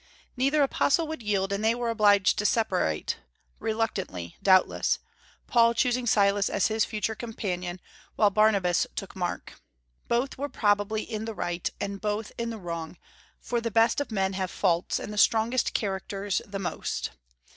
Neither apostle would yield, and they were obliged to separate, reluctantly, doubtless, Paul choosing Silas as his future companion, while Barnabas took Mark. Both were probably in the right, and both in the wrong; for the best of men have faults, and the strongest characters the most.